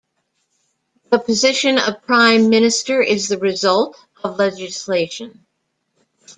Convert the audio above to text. The position of Prime Minister is the result of legislation.